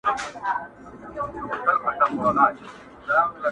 هم يې وچیچل اوزگړي او پسونه،